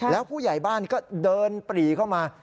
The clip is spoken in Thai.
แล้วผู้ใหญ่บ้านก็เดินปรีเข้ามา